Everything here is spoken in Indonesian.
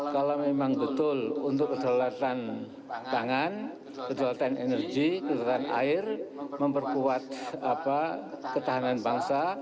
kalau memang betul untuk kesehatan tangan kesehatan energi kesehatan air memperkuat ketahanan bangsa